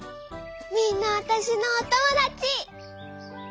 みんなわたしのおともだち！